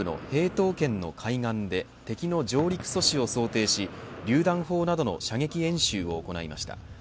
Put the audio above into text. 東県の海岸で敵の上陸阻止を想定しりゅう弾砲などの射撃演習を行いました。